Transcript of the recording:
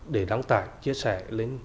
để đáng tải chia sẻ lên